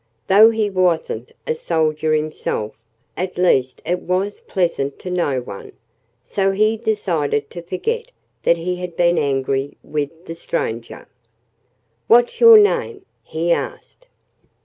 Though he wasn't a soldier himself, at least it was pleasant to know one. So he decided to forget that he had been angry with the stranger. "What's your name?" he asked.